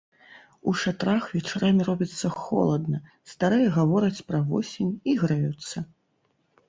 У шатрах вечарамі робіцца холадна, старыя гавораць пра восень і грэюцца.